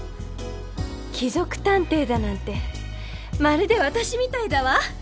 貴族探偵だなんてまるで私みたいだわ！